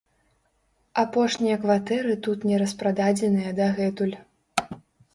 Апошнія кватэры тут не распрададзеныя дагэтуль.